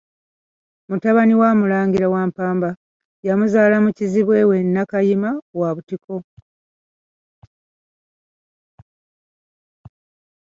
MUTABANI wa Mulangira, Wampamba, yamuzaala mu kizibwe we Nnakayima wa Butiko.